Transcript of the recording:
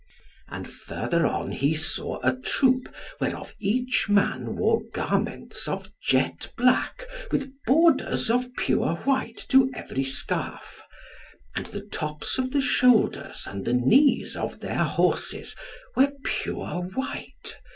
And further on he saw a troop, whereof each man wore garments of jet black, with borders of pure white to every scarf; and the tops of the shoulders and the knees of their horses were pure white.